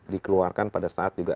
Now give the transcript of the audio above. dikeluarkan pada saat juga